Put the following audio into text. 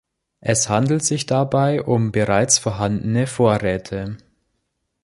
Es handelt sich dabei um bereits vorhandene Vorräte.